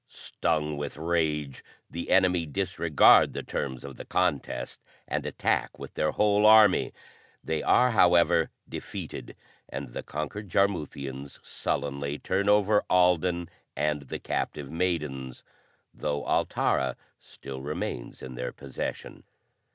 Stung with rage, the enemy disregard the terms of the contest and attack with their whole army. They are, however, defeated, and the conquered Jarmuthians sullenly turn over Alden and the captive maidens; though Altara still remains in their possession.